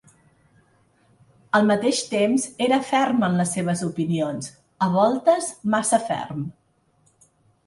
Al mateix temps, era ferm en les seves opinions, a voltes massa ferm.